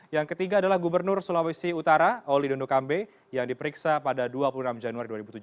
yang ketiga adalah gubernur sulawesi utara oli dondo kambe yang diperiksa pada dua puluh enam januari dua ribu tujuh belas